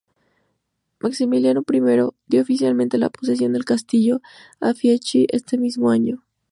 Maximiliano I dio oficialmente la posesión del castillo a Fieschi ese mismo año.